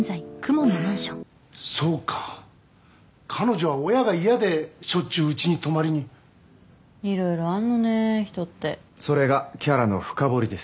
そうか彼女は親が嫌でしょっちゅううちに泊まりにいろいろあんのね人ってそれがキャラの深掘りです